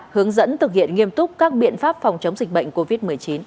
hướng dẫn thực hiện nghiêm túc các biện pháp phòng chống dịch bệnh covid một mươi chín